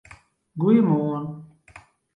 Goeiemoarn!